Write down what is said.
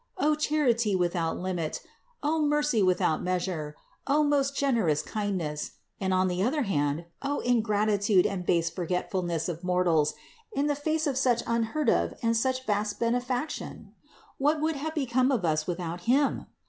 O charity without limit ! O mercy without measure ! O most generous kind ness! and, on the other hand, O ingratitude and base forgetfulness of mortals in the face of such unheard of and such vast benefaction! What would have become of us without Him?